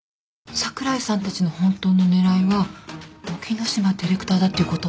櫻井さんたちの本当の狙いは沖野島ディレクターだっていうこと？